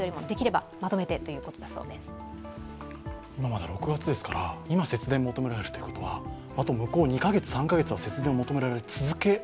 まだ６月ですから、今、節電を求められるということはあと向こう２カ月、３カ月は節電を求められ続ける？